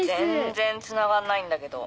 全然つながんないんだけど。